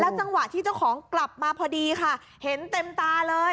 จังหวะที่เจ้าของกลับมาพอดีค่ะเห็นเต็มตาเลย